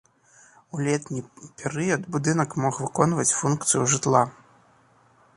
У летні перыяд будынак мог выконваць функцыю жытла.